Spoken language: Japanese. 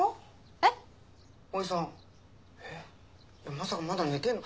えまさかまだ寝てんの？